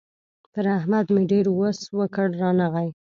پر احمد مې ډېر وس وکړ؛ رانغی.